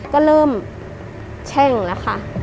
ก็เริ่มแช่งแล้วค่ะ